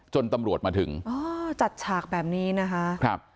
จนตำรวจมาถึงอ๋อจัดฉากแบบนี้นะคะครับ